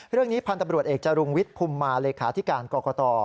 เรื่องนี้พันธ์ตบรวจเอกจารุงวิทธิ์ภูมิมาเลขาธิการกรกต